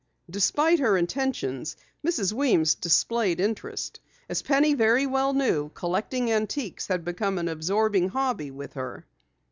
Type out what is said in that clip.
Despite her intentions, Mrs. Weems displayed interest. As Penny very well knew, collecting antiques had become an absorbing hobby with her.